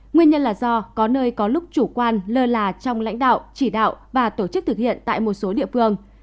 nguyên nhân là do có nơi có lúc chủ quan lơ là trong lãnh đạo chỉ đạo và tổ chức thực hiện tại một số địa phương